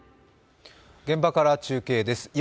現場から中継です。